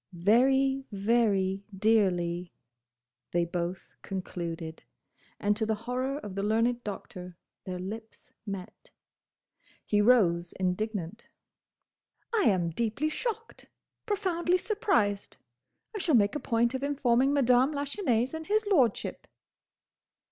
"Very, very dearly!" they both concluded. And to the horror of the learned Doctor, their lips met. He rose, indignant. "I am deeply shocked. Profoundly surprised. I shall make a point of informing Madame Lachesnais and his lordship."